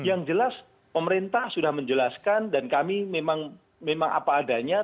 yang jelas pemerintah sudah menjelaskan dan kami memang apa adanya